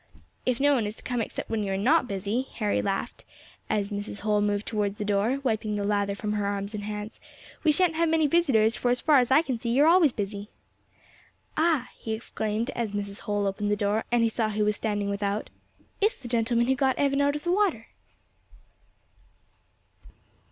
"If no one is to come except when you are not busy," Harry laughed, as Mrs. Holl moved towards the door, wiping the lather from her arms and hands, "we shan't have many visitors, for as far as I can see you are always busy." "Ah!" he exclaimed, as Mrs. Holl opened the door, and he saw who was standing without, "it's the gentleman who got Evan out of the water."